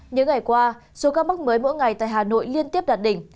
những ngày qua số ca mắc mới mỗi ngày tại hà nội liên tiếp đạt đỉnh